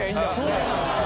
そうなんですよ。